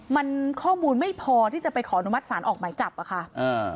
มันข้อมูลไม่พอที่จะไปขออนุมัติศาลออกหมายจับอ่ะค่ะอ่า